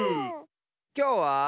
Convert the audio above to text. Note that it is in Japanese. きょうは。